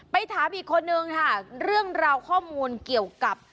ถามอีกคนนึงค่ะเรื่องราวข้อมูลเกี่ยวกับ